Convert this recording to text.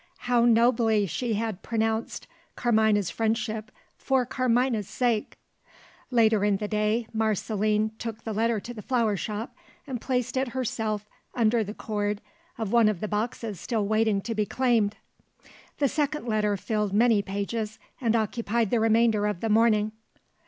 How nobly she had pronounced Carmina's friendship for Carmina's sake! Later in the day, Marceline took the letter to the flower shop, and placed it herself under the cord of one of the boxes still waiting to be claimed. The second letter filled many pages, and occupied the remainder of the morning.